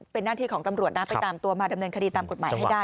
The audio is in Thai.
เป็นหน้าที่ของตำรวจนะไปตามตัวมาดำเนินคดีตามกฎหมายให้ได้